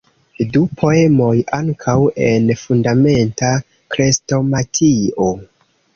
Du poemoj ankaŭ en "Fundamenta Krestomatio".